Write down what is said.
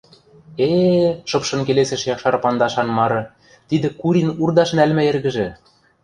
— Э-э-э, — шыпшын келесӹш якшар пандашан мары, — тидӹ Курин урдаш нӓлмӹ эргӹжӹ...